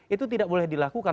itu tidak boleh dilakukan